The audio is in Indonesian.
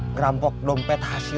ngerampok dompet hasilnya